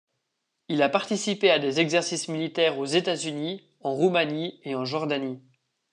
Il a participé à des exercices militaires aux États-Unis, en Roumanie et en Jordanie.